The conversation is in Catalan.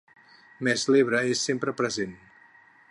Mes l'Ebre és sempre present.